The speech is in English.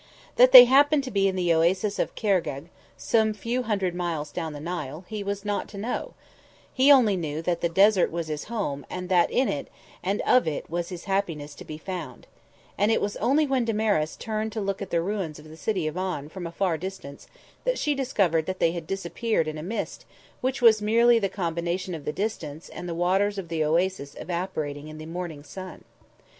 That they happened to be in the Oasis of Khargegh, some few hundred miles down the Nile, he was not to know; he only knew that the desert was his home and that in it and of it was his happiness to be found; and it was only when Damaris turned to look at the ruins of the City of On from a far distance that she discovered that they had disappeared in a mist which was merely the combination of the distance and the waters of the oasis evaporating in the morning sun.